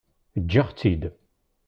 Eǧǧ-aɣ-tt-id.